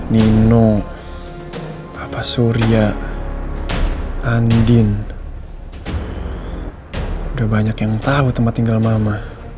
nino papa surya andin udah banyak yang tahu tempat tinggal mama